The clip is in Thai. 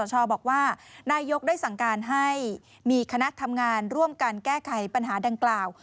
นายกรัฐมนตรีกันหน่อยได้สั่งการให้มีคณะทำงานร่วมกันแก้ไขปัญหาดังกล่าว